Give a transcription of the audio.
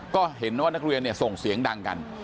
ก็เห็นว่านักเรียนส่งเสียงดังกัน